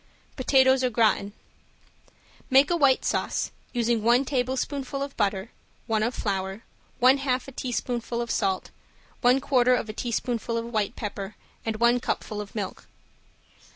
POTATOES AU GRATIN Make a white sauce, using one tablespoonful of butter, one of flour, one half a teaspoonful salt, one quarter of a teaspoonful of white pepper and one cupful of milk.